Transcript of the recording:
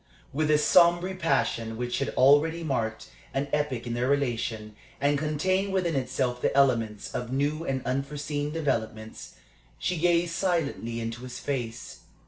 With a sombre passion which already marked an epoch in their relation, and contained within itself the elements of new and unforeseen developments, she gazed silently into his face.